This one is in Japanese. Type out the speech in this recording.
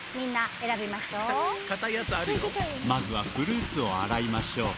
まずはフルーツを洗いましょう。